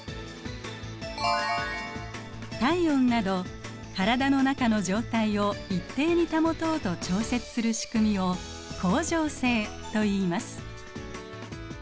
体温など体の中の状態を一定に保とうと調節するしくみを恒常性といいます。